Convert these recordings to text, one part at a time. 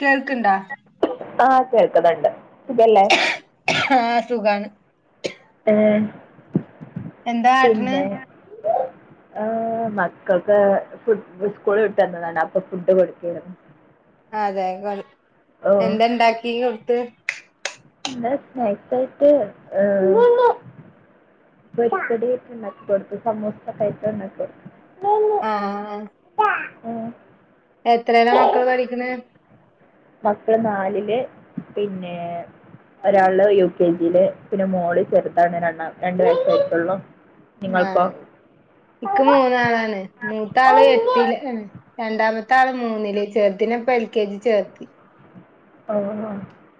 കേൾക്ക്ണ്ടാ. ആ കേൾക്ക്ന്ന്ണ്ട്. ആ സുഖാണ്. ഏ എന്താ ആട്ടന് ഉ മക്കൾക്ക് ഫു് സ്കൂള വിട്ടന്നതാണ് അപ്പൊ ഫുഡ് കൊടുക്കരുന്നു അതെ കൊ എന്ത ഇണ്ടാക്കി കൊടുത്ത് എന്താ നൈറ്റായിട്ട് ബ കടിട്ടക്ക പത്ത സമോസ കട്ടന്നക്ക ആഹ ഓ എത്രയിലാ മക്കള് പഠിക്കുന്നെ? മക്കള് നാലില് പിന്നെ ഒരാള് യു കെ ജിയില് പിന്നെ മോള് ചെറുതാണ് [unintelligible] രണ്ട് വയസായിട്ടുള്ളൂ. ആഹ് ഇക്ക് മൂന്നാളാണ്, മൂത്താള് എട്ടില് മ് രണ്ടാമത്തെ ആള് മൂന്നില്, ചെർതിനെപ്പ എൽ കെ ജി ചേർത്ത്. ഓഹോ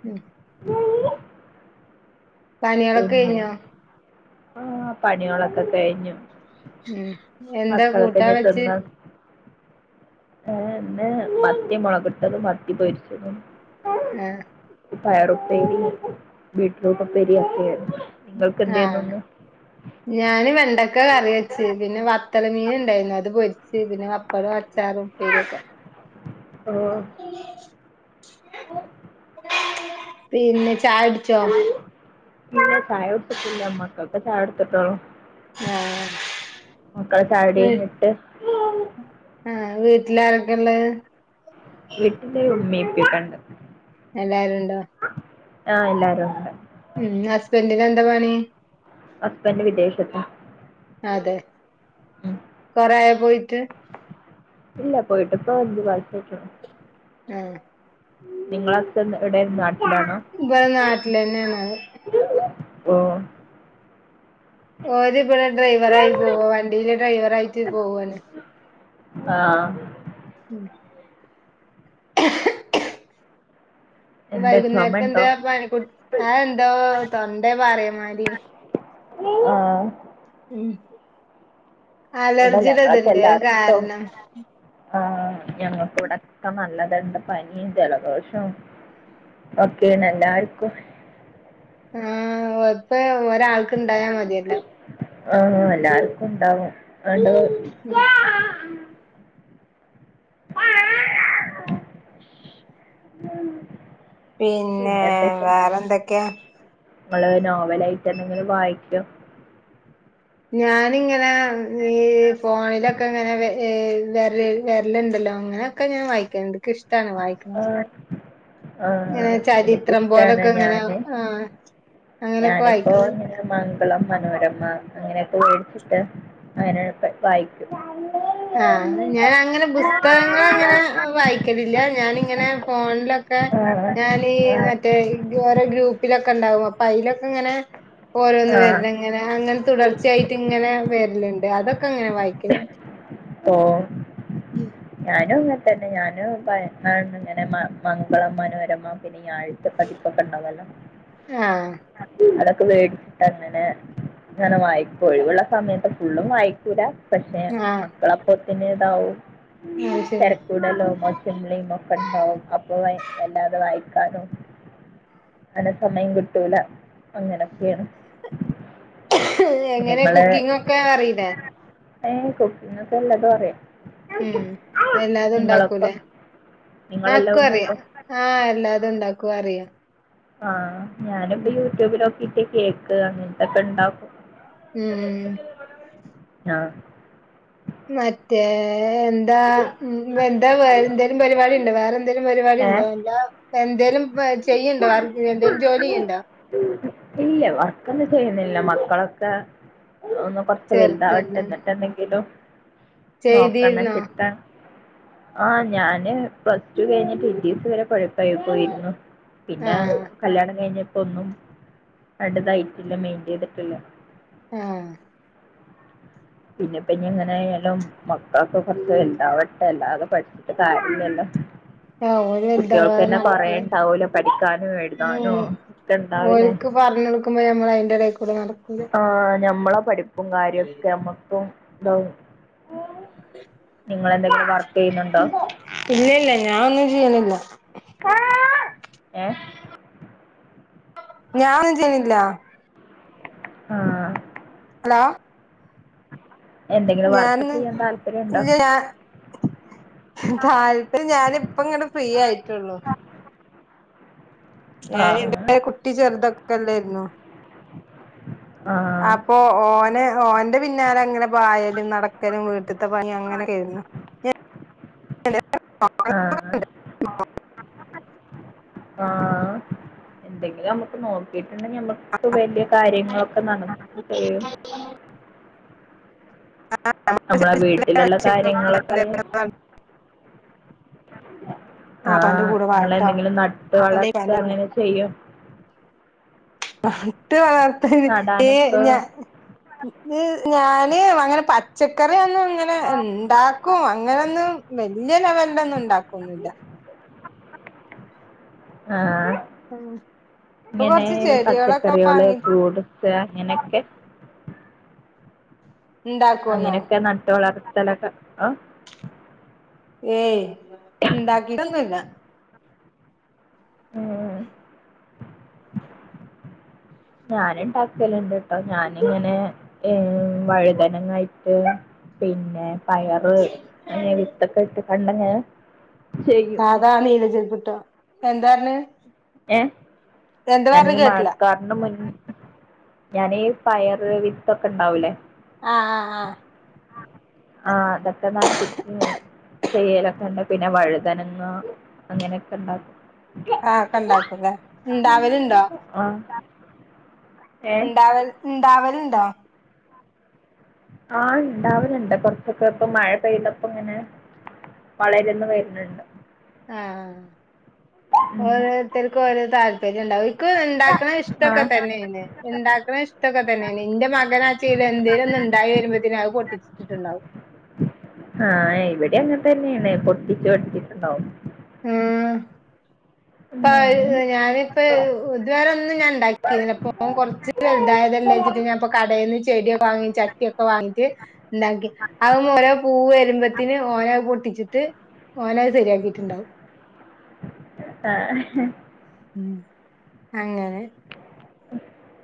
ഉം പണികളൊക്കെ പിന്നെ കഴിഞ്ഞോ? ആഹ് പണികളൊക്കെ കഴിഞ്ഞു. ഉം എന്താ കൂട്ടാ വെച്ച്? ഏഹ് ന്ന് മത്തി മുളകിട്ടതും മത്തി പൊരിച്ചതും. ഏഹ് പയറുപ്പേരി ബീട്രൂട്ട് ഉപ്പേരി ഒക്കെയാരുന്നു. നിങ്ങൾക്ക് എന്തേര്ന്നു ആഹ് ന്ന്? ഞാന് വെണ്ടക്ക കറി വെച്. പിന്നെ വത്തല മീന് ണ്ടായിരുന്നു അത് പൊരിച്ച് പിന്നെ വപ്പടൊ അ ച്ചാറും പ്പേരിയൊക്കെ. ഓഹ് അഹ് പിന്നെ ചായ ടിച്ചോ? ഇല്ല ചായുട്ച്ചിട്ടില്ല മക്കക് ചായൊടുത്തിട്ടോള്ളൂ. ആഹ് മക്കളെ ചായുടിയ്ഞ്ഞിട്ട് ആഹ് വീട്ടിലാരൊക്കെള്ളേ? വീട്ടില് ഉമ്മി പ്പി കണ്ട്. എല്ലാരുണ്ടോ? ആഹ് എല്ലാരുണ്ട് ഉം ഹസ്ബന്റ്ന് എന്താ പണി? ഹസ്ബൻഡ് വിദേശത്താ അതെ ഉം കൊറേ ആയോ പോയിട്ട്? ഇല്ല പോയിട്ട്പ്പൊ അഞ്ചു മാസായ്ട്ടൊള്ളു. ആഹ് നിങ്ങളെ ഹസ്ബന്റ് എടേണ് നാ വെ നാട്ടിലെന്നെണഹ്. ഓഹ് ഓര് പിന്നെ ഡ്രൈവറായി പോവ് വണ്ടിയിലെ ഡ്രൈവർായിട്ട് പോവാണ്. ആഹ് ഉം എന്താ ചുമ ഉണ്ടോ വൈകുന്നേരത്തെന്താ പണിക്കുട്ടി ആ എന്താ തൊണ്ട പാറിയമാരി ആ ഉം ഇവിടെ അലർജിടെത്ണ്ട് അത് കാരണം ആ ഞങ്ങക്ക് വടൊക്കെ നല്ല തൊണ്ട പനിം ജലദോഷം ഒക്കെണ് എല്ലാര്ക്കും ആ ഇപ്പ ഒരാൾക്ക് ഇണ്ടായാ മതിയല്ലോ ആഹാ എല്ലാർക്കും ണ്ടാവും [unintelligible] പിന്നെ വേറെന്തൊക്കെ ങ്ങള് നോവലായിറ്റെന്തെങ്കിലും വായിക്കോ ഞാനിങ്ങന ഈ ഫോണിലൊക്ക ഇങ്ങന വെ വെരലി വെര്ല്ണ്ട അങ്ങനൊക്ക ഞാൻ വായിക്കല്ണ്ട് ഇൻക്ക് ഇഷ്ട്ടാണ് വായിക്ക്ണത് ആ ഇൻക്കിഷ്ടാണ് ഇങ്ങനെ ഞാന് ആഹ് അങ്ങനെയൊക്കെ ഞാന്പ്പോ വായിക്കലുണ്ട് ഇങ്ങനെ മംഗ ളം, മനോരമ അങ്ങനൊക്കെ വേടിച്ചിട്ട് അങ്ങനെ വായിക്കും ആ ഞാനങ്ങനെ പുസ്തകങ്ങളങ്ങനെ വായിക്കലില്ല ഞാനിങ്ങനെ ഫോണിലൊ ക്കെ ആഹ് ഞാനീ ആഹ് മറ്റേ വേറെ ഗ്രൂപ്പിലൊക്ക ഒണ്ടാവും അപ്പൊ അയിലൊക്കെ ഇങ്ങനെ ഓരോന്ന് ആഹ് വെരലിങ്ങനെ അങ്ങനെ തുടർച്ചായിട്ട് ഇങ്ങനെ വെരലുണ്ട് അതൊ ക്ക അങ്ങനെ വായിക്കു ഓ ഉം ഞാനും ഇങ്ങനെ തന്നെ ഞാനും [unintelligible] ഇങ്ങന മ മംഗളം മനോരമ പിന്നെ ഈ ഞാനിപ്പ ആഹ് [unintelligible] വേടിച്ചിട്ട് അങ്ങനെ ഇങ്ങനെ വായിക്കും ഒഴിവുള്ള സമയത്ത് ഫുള്ളും വായിക്കൂല പക്ഷെ ആഹ് മക്കളപ്പൊത്തിന് ഇതാവും അത് ശരി തെരക്കൂലല്ലേ [unintelligible] അപ്പൊ വ വല്ലാതെ വായി താനോ അന് സമയം കിട്ടൂല അങ്ങനൊക്കെയാണ് എങ്ങനെ നിങ്ങള് കുക്കിംഗ് ഒക്കെ അറിയില്ലേ ഏ കുക്കിംഗ് ഒക്കെ [unintelligible] അറിയാം ഉം വല്ലാതെ ഉണ്ടാക്കൂല നിങ്ങളൊക്കെ നിങ്ങളെല്ലാം ആക്കും അറിയാം ഉണ്ടാക്കും ആഹ് അല്ലാതെ ഉണ്ടാക്കും അറിയാം ആഹ് ഞാനിപ്പോ ഉം യൂട്യൂബിലൊക്കിട്ട് കേക്ക് അങ്ങനത്തൊക്കെ ഇണ്ടാക്കും ഉം ആഹ് മറ്റേ എന്താ എന്താേ വേ എന്തേലും പരിപാടി ഉണ്ടോ വേറെ എന്തേലും പരിപാടി ഏഹ് ഉണ്ടോ [unintelligible] എന്തേലും വ് ചെയ്യണ്ടോ വർക്ക് എന്തേലും ജോലി ചെയ്യണ്ടാ ഇല്ല വർക്കൊന്നും ചെയ്യുന്നില്ല മക്കളൊക്കെ ഒന്ന് കൊറച്ച് വലുതാവട്ട് ചെറുതല്ലേ എന്നിട്ട് എന്തെങ്കിലും നോക്കണം ചെയ്തിരുന്നോ ചിട്ട ആ ഞാന് പ്ലസ് ടു കഴിഞ്ഞിട്ട് [unintelligible] വരെ കൊഴപ്പായി പോയിരുന്നു പിന്നെ ആഹ് കല്യാണം കഴിഞ്ഞപ്പോ ഒന്നും [unintelligible] തായിട്ടില്ല മെയിന്റ് ചെയ്തിട്ടില്ല ആഹ് പിന്നെപ്പ ഇനി എങ്ങനെ ആയാലും മക്കളൊക്കെ കൊറച്ച് വലുതാവട്ടെ അല്ലാതെ പഠിച്ചിട്ട് കാര്യ ഇല്ലല്ലോ ആഹ് ഓര് കുട്ടികൾക്ക് വലുതാവാതെ അന്നെ നടക്കൂല [unintelligible] പഠിക്കാന് എഴുതാനു ഒക്ക ഇണ്ടാവൂലോ ക്ക് പറഞ്ഞ് കൊടുക്കുമ്പോ നമ്മള് അതിന്റെ ഇടേൽ കൂടെ നട ആഹ് ഞമ്മള പഠിപ്പും കാര്യൊക്കെ നമ്മക്കും [unintelligible] നിങ്ങളെന്തെങ്കിലും വർക്ക് ചെയ്യുന്നുണ്ടോ ഞാനൊന്നും ചെയ്യണില്ല ഏഹ് ഞാനൊന്നും ചെയ്യണില്ല ആഹ് ഹലോ എന്തെങ്കിലും വർക്ക് ഞാന് ചെയ്യാൻ താല്പര്യണ്ടോ ഇല്ല ഞാൻ താല്പ ഞാനിപ്പ ഇങ്ങട് ഫ്രീ ആയിട്ടുള്ളു ആ ഞാൻ [inaudible] കുട്ടി ചെറുതൊക്കല്ലേരുന്നു ആ അപ്പൊ ഓന് ഓന്റെ പിന്നാലെ അങ്ങനെ പായലും നടക്കലും വീട്ട അ ആഹ ആഹ എന്തെങ്കിലും നമുക്ക് നോക്കി പിെ ഞമ്മക്ക് വലിയ കാര്യങ്ങളൊക്കെ നടന്ന ചെയ്യും നമ്മളെ വീട്ടിലുള്ള കാര്യങ്ങളൊക്കെ ആഹ ആപ്പാന്റെ കൂടെ നിങ്ങ വാട്ടോ എന്തെങ്കിലും നട്ട് അല്ലെ വളർച്ച ഇപ്പാന്റെ അങ്ങനെ ചെയ്യോ മട്ട പാർഥ ഏ നടാനൊക്കെ ഞാ ഞാന് അങ്ങനെ പച്ചക്കറി അയൊന്നും ഇങ്ങനെ ഉണ്ടാക്കും അങ്ങനെ ഒന്നും വലിയ ലെവലിലൊന്നും ഉണ്ടാക്കന്നില്ല ആഹ ഇപ്പൊ ഇങ്ങനെ കൊറച്ച് ചെടികളൊക്കെ പച്ചക്കറികള് വാങ്ങി ഫ്രൂട്്സ് എനക്ക് ഇണ്ടാക്കോന്നോ അങ്ങനെയൊക്കെ നട്ടു വളർത്തലൊക്കെ ആ- ഏയ് ഉണ്ടാക്കിട്ടൊന്നും ഇല്ല ആ ഞാന ഉണ്ടാക്കലുണ്ട് കേട്ടോ ഞാനിങ്ങനെ വഴുതനങ്ങായിട്ട് പിന്നെ പയറ് അങ്ങനെ വിത്തൊക്കെ ഇട്ട കണ്ട- സാധാരണ ഇങ്ങനെ ചെരുപ്പ് ഇട്ടോ എന്താരന്ന് ഏ ഞാനീ കേട്ടില്ല മഴക്കാറിന് മുൻപ് ഞാനീ പയറ്, വിത്തൊക്കെ ഉണ്ടാവലേ ആഹ ആഹ് ആഹ ആഹ്തത്തമാട്ട [unintelligible] ചെയ്യലൊക്കെ ഉണ്ട് പിന്നെ വഴുതനങ്ങ് അങ്ങനെയൊക്കെ ഇണ്ടാക്കും ആഒക്കെ ഉണ്ടാക്കും ഇല്ലേ ഇണ്ടാവലുണ്ടോ അ ഉണ്ടാവൽ ഉണ്ടാവലുണ്ടാവും ആഹ ഉണ്ടാവലുണ്ട് കൊറച്ചൊക്കെ ഇപ്പ മഴ പെയതപ്പ ഇങ്ങനെ- വളരുന്നു വരുന്നുണ്ട് ആഹ ഉം ഓരോരുത്തർക്കും ഓരോ താല്പര്യം ഉണ്ടാവും ഇ്ടൊക്കെ തന്നെയാണ് ആഹ് ഉണ്ട ഇഷ്ടൊക്കെ തന്നെയാണ് എന്റെ മകനാ എന്ത- ഉണ്ടായി വരുമ്പോത്തേ അത് പൊട്ടിച്ചിട്ടിട്ടുണ്ടാവും ആഹ ഇവിടെ അങ്ങനെ തന്നെയാണ് പൊട്ടിച്ചു പൊട്ടിച്ചിട്ടുണ്ടാവും ആഹ ഇപ്പ ഉം ഞാനിപ്പ ഇതുവാര ഒന്നും ഞാൻ ഉണ്ടാക്കില്ലപ്പൊ കൊറച്ച് വെലുതായതല്ലേ ഞാനിപ്പോ കാടെന്നു ചെടി ചട്ടിയൊക്ക വാങ്ങിച്ചു എന്താക്ക അ ഓരോ പൂവ്വരുമ്പോത്തിന് ഓരോ പൊട്ടിച്ചിട്ട് ഓനത് ശരിയാക്കിട്ടുണ്ടവും ആഹ ഉം അങ്ങനെ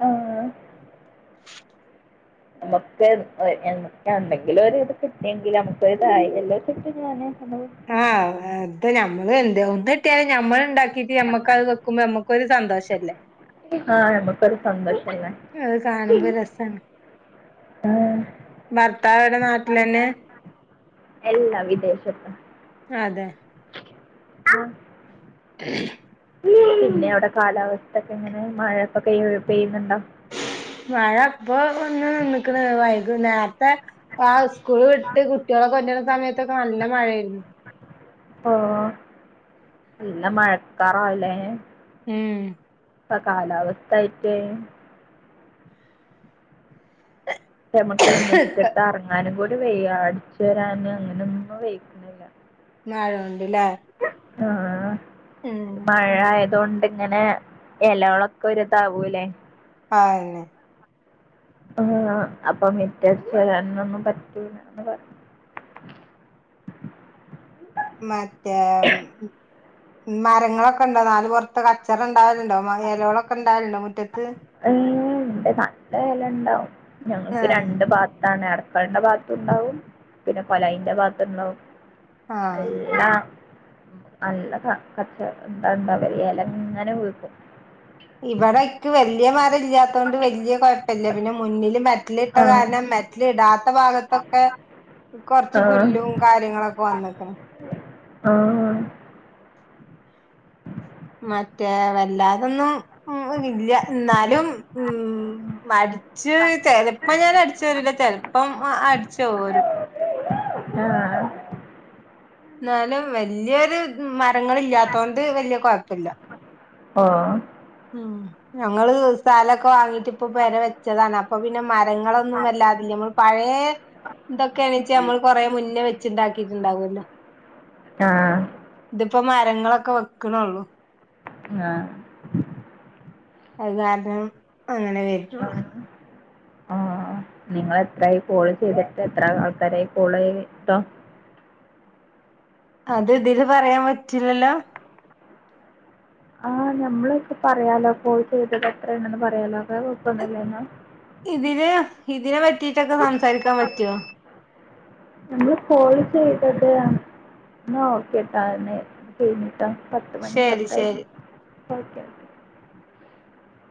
ആഹ നമുക്ക് എന്തെങ്കിലും ഒരു ഇത് കിട്ടിയെങ്കിൽ നമുക്ക് ഇതായി എല്ലോ കിട്ടും ഞാന് [unintelligible] ആഹ അത മ്മ [unintelligible] അത് എന്ത ഒന്ന കട്ടിയാലും ഞമ്മൾ ഉണ്ടാക്കിട്ട് മ്മക്ക് അത് വെക്കുമ്പോ നമ്മുക്കൊരു സന്തോഷമല്ലേ ആഹ നമക്കരു സന്തോഷം അത് പിന്നെ കാണുമ്പോ രസാണ് ഭർത്താവ് എവിടെ അ നാട്ടിൽ തന്നെആ അല്ല വിദേശത്ത് അതെ ആഹ ഉ [unintelligible] പിന്നെ അവിടെ കാലാവസ്ഥ ഒക്കെ ഇങ്ങനെ മഴക്കൊക്കെ പെയ്യുന്നുണ്ടോ മഴ ഇപ്പൊ ഒന്ന് നിന്നിക്കണ വൈകു നേരത്തെ സ്കൂൾ വിട്ട് കുട്ടികളൊക്കെ കൊണ്ടിരുന്ന സമയത്തൊക്കെ നല്ല മഴായിരുന്നു എല്ലാ മഴക്കാറായില്ലേ ഉം ഇപ്പ കാലാവസ്ഥയിട്ടേ നമക്ക് മിറ്റത്തേ ഇറങ്ങാനും കൂടി വെയ്യ അടിച്ചു വരാന് അങ്ങനൊന്നും വെയിക്കുന്നില്ല നാഴുണ്ട്ല്ലേ ആഹ മഴ അതുകൊണ്ട്ിങ്ങനെ ഇലകളൊക്കെ ഒതാവല്ലേ ആന്നെ ആഹ അപ്പൊ മറ്റച്ച വരൻൊന്നും പറ്റൂല്ലന്ന് പറ മറ്റേ മരങ്ങളൊക്കെ ഉണ്ടോ നാല് പുറത്ത് കച്ചറം ഉണ്ടായിോ ഇലകളൊക്കെ ഉണ്ടായിരണ്ടോ മുറ്റ ഏ ഉണ്ട് നല്ല എല ഉണ്ടാവും ഞങ്ങൾക്ക് ആഹ് രണ്ട് ഭാത്താണ് ഇട പക്കളിന്റെ ഭാഗത്തുണ്ടാവും പിന്നെ കൊലായിന്റെ ഭാഗത്തുണ്ടാവും ആഹ് എല്ലാ നല്ല കച്ച ഇന്താണ്ട അവര് ഇല ഇങ്ങനെ വഴക്കും ഇവിടെക്ക് വലിയ മരം ഇല്ലാത്ത കൊണ്ട് വല്ിയ കുഴപ്പില്ല പിന്നെ മുന്നില് മറ്റ മെറ്റലിട്ട ആഹ് കാരണം മെറ്റലിടാ ഇത്തെ ഭാഗത്തൊക്കെ കൊറച്ച് ആഹ് പുല്ലും കാര്യങ്ങളൊക്കെ വന്നക്കണ് ആഹ മറ്റേ വല്ലാതൊന്നും ഉ ഇല്ല എന്നാലും ഉ അടച്ച് ചെലപ്പ ഞൻ അടിച്ചു വരില്ല ചെിലപ്പം അടിച്ച ഓരും ആഹ എന്നാലും വല്ിയൊരു ങ്ങ ഇല്ലാത്തോണ്ട് വലിയ കൊഴപ്പില്ല ഓഹ് ഞങ്ങള് സ്ഥലമൊക്കെ വാങ്ങീട്ട് ഇപ്പൊ വരെ വെച്ചതാണ് അപ്പൊ പിന്നെ മരങ്ങളൊന്നും വല്ലാതില്ലമ പഴയ ഇതൊക്കെയാണെച്ച നമ്മൾ കൊറെ മുന്നേ വെച്ചുണ്ടാക്കിയിട്ടുണ്ടാവല്ലോ ആഹ ഇതിപ്പോ മരങ്ങളൊക്കെ വെക്കണള്ളു ആഹ അത് കാരണം അങ്ങനെ വരിട്ടുള്ളു നിങ്ങ എത്രായി കോള് ചെയ്തിട്ട് എത്ര ആൾക്കാരായി കോൾ ചെയ്ട്ടോ അത് ഇതില് പറയാൻ പറ്റില്ലല്ലോ ആ ഞമ്മളൊപ്പ പറയാലോ പോയി ചെയ്തത് എത്ര ഉണെന്ന് പറയാലോക്കെ കുഴപ്പൊന്നില്ല ഇതിന് ഇതിനെ പറ്റിട്ടൊക്കെ സംസാരിക്കാൻ പറ്റുവോ നമ്മൾ കോള് ചെയ്തത് എന്ന ഓക്കെട്ടാ എന്ന കഴിഞ്ഞിട്ടോ പത്ത് മണി ശരി പത്തായി ശരി ഓക്കെ ഓക്കെ